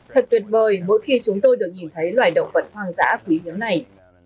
thật tuyệt vời mỗi khi chúng tôi được nhìn thấy loài động vật hoang dã quý hiếm này